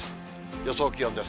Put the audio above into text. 予想気温です。